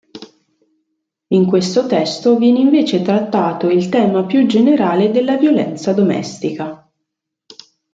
In questo testo viene invece trattato il tema più generale della violenza domestica.